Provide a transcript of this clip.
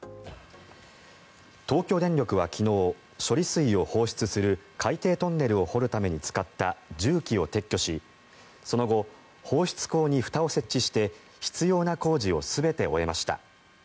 東京電力は昨日処理水を放出する海底トンネルを掘るために使った重機を撤去しその後、放出口にふたを設置して必要な工事を全て終えました。